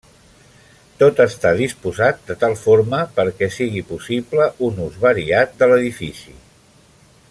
Tot està disposat de tal forma perquè sigui possible un ús variat de l'edifici.